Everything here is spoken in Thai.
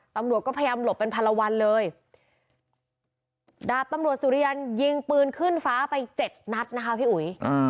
ตำรวจก็พยายามหลบเป็นพันละวันเลยดาบตำรวจสุริยันยิงปืนขึ้นฟ้าไปเจ็ดนัดนะคะพี่อุ๋ย